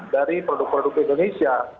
dari produk produk indonesia